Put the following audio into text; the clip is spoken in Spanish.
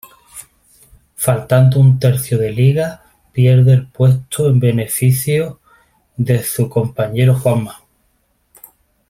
Faltando un tercio de liga pierde el puesto en beneficio de su compañero Juanma.